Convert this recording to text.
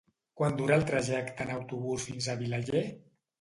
Quant dura el trajecte en autobús fins a Vilaller?